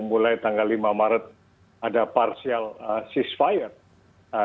yang mulai tanggal lima maret ada partial ceasefire